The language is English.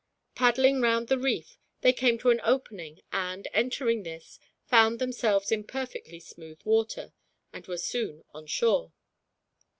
Paddling round the reef, they came to an opening and, entering this, found themselves in perfectly smooth water, and were soon on shore.